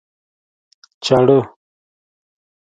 چاړه